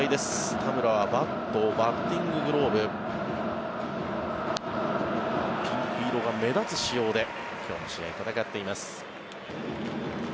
田村はバット、バッティンググローブピンク色が目立つ仕様で今日の試合、戦っています。